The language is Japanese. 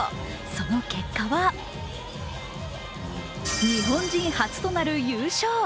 その結果は、日本人初となる優勝。